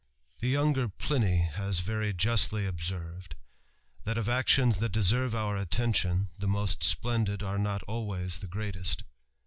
Hervev. THE younger Pliny has very justly observed, that of actions that deserve our attention, the roost splendid are not always the greatest.